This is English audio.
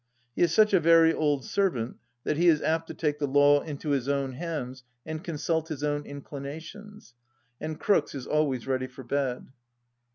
He is such a very old servant that he is apt to take the law into his own hands and consult his own inclinations, and Crookes is always ready for bed.